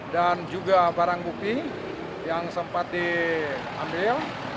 dan juga barang bukti yang sempat diambil